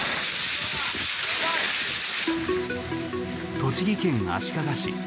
栃木県足利市。